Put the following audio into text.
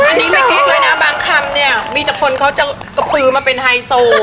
อันนี้ไม่กิ๊กเลยนะบางคำเนี่ยมีแต่คนเขาจะกระปือมาเป็นไฮโซ